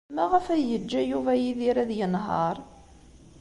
Maɣef ay yeǧǧa Yuba Yidir ad yenheṛ?